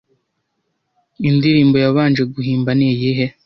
Indirimbo yabanje guhimba ni iyihe